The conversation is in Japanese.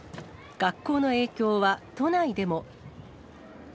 学校の影響は都内でも。